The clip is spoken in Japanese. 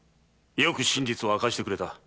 よく真実を明かしてくれた。